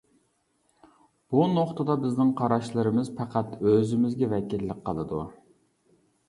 بۇ نۇقتىدا بىزنىڭ قاراشلىرىمىز پەقەت ئۆزىمىزگە ۋەكىللىك قىلىدۇ.